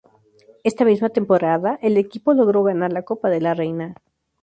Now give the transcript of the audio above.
Esta misma temporada el equipo logró ganar la Copa de la Reina.